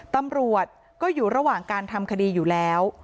ตำรวจก็อยู่ระหว่างการทำคดีอยู่แล้ว